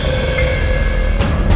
sebagai pembawa ke dunia